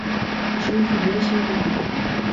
Ошо Өфөлә йәшәйҙер бит.